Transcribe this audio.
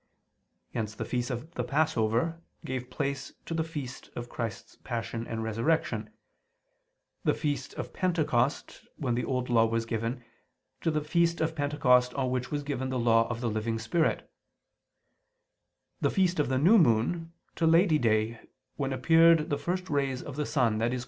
Hence the feast of the Passover gave place to the feast of Christ's Passion and Resurrection: the feast of Pentecost when the Old Law was given, to the feast of Pentecost on which was given the Law of the living spirit: the feast of the New Moon, to Lady Day, when appeared the first rays of the sun, i.e.